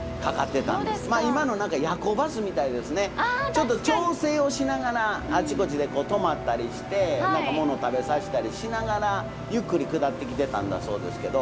ちょっと調整をしながらあちこちで止まったりして何か物食べさせたりしながらゆっくり下ってきてたんだそうですけど。